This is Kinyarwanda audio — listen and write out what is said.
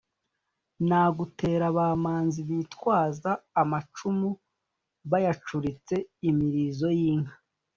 Nagutera ba Manzi bitwaza amacumu bayacuritse-Imirizo y'inka.